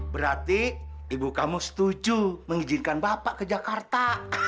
berarti ibu kamu setuju mengizinkan bapak ke jakarta